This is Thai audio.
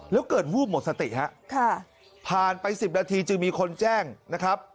แล้วเกิดวูบหมดสติฮะผ่านไป๑๐นาทีจึงมีคนแจ้งนะครับ